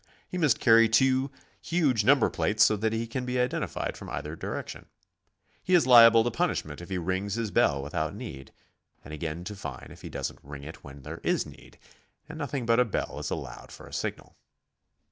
He must carry two huge number plates so that he can be identified from either direction. He is liable to punishment if he rings his bell without need, and again to fine if he doesn't ring it where there is need, and nothing but a bell is allowed for a signal.